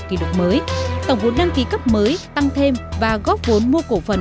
kỷ lục mới tổng vốn đăng ký cấp mới tăng thêm và góp vốn mua cổ phần